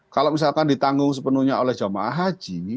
kalau misalkan ditanggung sepenuhnya oleh jamaah haji